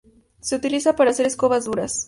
Se utiliza para hacer escobas duras.